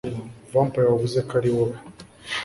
Vampire wavuze ko ariwowe